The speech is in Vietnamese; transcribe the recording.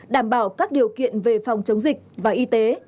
đảm bảo các điều kiện về phòng chống dịch và y tế